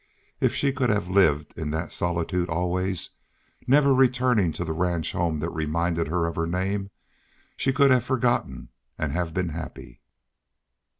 If she could have lived in that solitude always, never returning to the ranch home that reminded her of her name, she could have forgotten and have been happy.